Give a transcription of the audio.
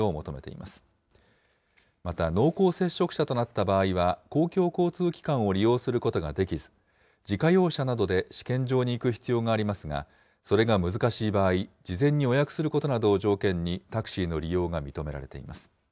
また、濃厚接触者となった場合は、公共交通機関を利用することができず、自家用車などで試験場に行く必要がありますが、それが難しい場合、事前に予約することなどを条件にタクシーの利用が認められています。